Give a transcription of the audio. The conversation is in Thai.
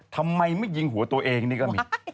ทำไมไม่ยิงหัวตัวเองนี่ก็มี